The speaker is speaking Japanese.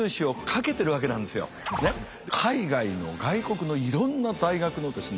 海外の外国のいろんな大学のですね